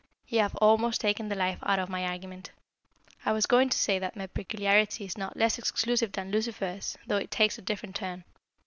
You have almost taken the life out of my argument. I was going to say that my peculiarity is not less exclusive than Lucifer's, though it takes a different turn.